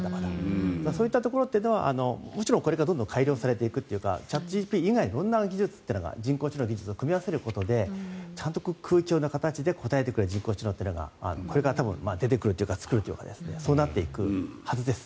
そういったところというのはもちろんこれから改良されていくというかチャットＧＰＴ以外の色んな技術が人工知能の技術と組み合わせることでちゃんと答えてくれる人工知能というのがこれから出てくるというか作るというかそうなっていくはずです。